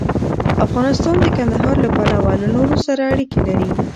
افغانستان د کندهار له پلوه له نورو سره اړیکې لري.